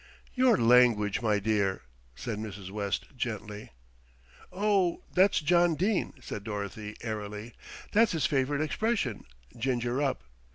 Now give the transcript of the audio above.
"Your language, my dear," said Mrs. West gently. "Oh, that's John Dene," said Dorothy airily. "That's his favourite expression, 'ginger up.'